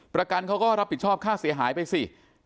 ประกันเขาก็รับผิดชอบค่าเสียหายไปสิ